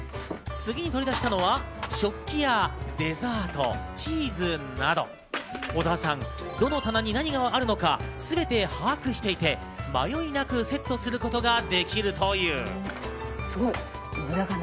次に取り出したのは食器やデザート、チーズなど小澤さん、どの棚に何があるのか全て把握していて迷いなくセットすることができるという。